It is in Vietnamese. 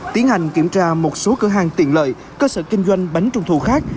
tiến hành kiểm tra một số cửa hàng tiện lợi cơ sở kinh doanh bánh trung thu khác